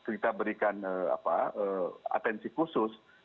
kita berikan atensi khusus